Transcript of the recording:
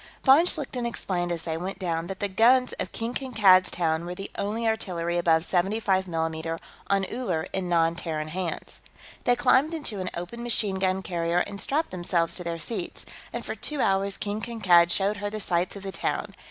Von Schlichten explained, as they went down, that the guns of King Kankad's Town were the only artillery above 75 mm on Uller in non Terran hands. They climbed into an open machine gun carrier and strapped themselves to their seats, and for two hours King Kankad showed her the sights of the town.